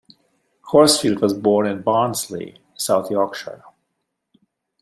Horsfield was born in Barnsley, South Yorkshire.